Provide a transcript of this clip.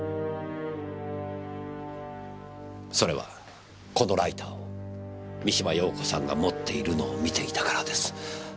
それはこのライターを三島陽子さんが持っているのを見ていたからです。